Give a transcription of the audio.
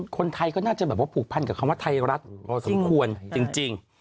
คนไทยก็น่าจะแบบว่าผูกพันกับคำว่าไทยรัฐพอสมควรจริง